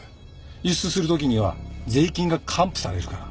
輸出するときには税金が還付されるから。